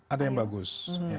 ada yang bagus